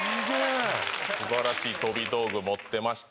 すばらしい飛び道具持ってました